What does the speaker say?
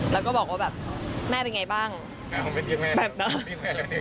แล้วก็บอกว่าแบบแม่เป็นอย่างไรบ้าง